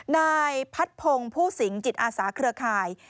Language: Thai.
นายพัดพงศ์ผู้สิงจิตอาสาเครือข่าย